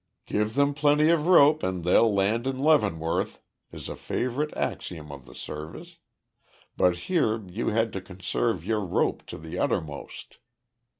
"Give them plenty of rope and they'll land in Leavenworth" is a favorite axiom in the Service but here you had to conserve your rope to the uttermost.